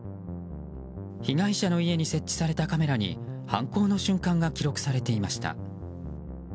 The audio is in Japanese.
被害者の家に設置されたカメラに犯行の瞬間が記録されていました。